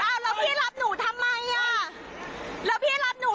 แล้วพี่รับหนูทำไมอ่ะแล้วพี่รับหนู